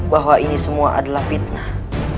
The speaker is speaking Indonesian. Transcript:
bahwa ini semua adalah fitnah